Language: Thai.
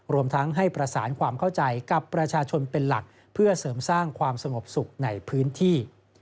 รวมทั้งให้ประสานความเข้าใจกับประชาชนเป็นหลักเพื่อเสริมสร้างความสงบสุขในพื้นที่